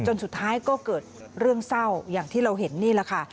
สุดท้ายก็เกิดเรื่องเศร้าอย่างที่เราเห็นนี่แหละค่ะ